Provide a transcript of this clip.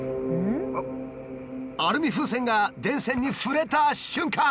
アルミ風船が電線に触れた瞬間。